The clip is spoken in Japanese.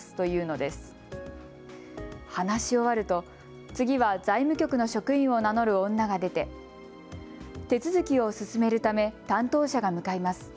話し終わると次は財務局の職員を名乗る女が出て手続きを進めるため担当者が向かいます。